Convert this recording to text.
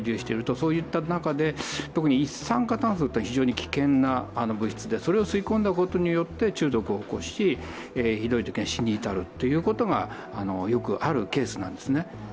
そういった中で、特に一酸化炭素というのは非常に危険な物質で、それを吸い込んだことによって中毒を起こし、ひどいときには死に至るということがよくあるケースです。